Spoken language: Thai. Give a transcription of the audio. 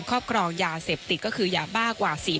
ครอบครองยาเสพติดก็คือยาบ้ากว่า